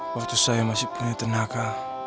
waktu saya masih punya tenaga